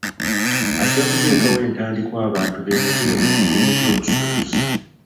Ajja kutekawo entandikwa abantu beenyigire mu mirimu gy'obusuubuzi.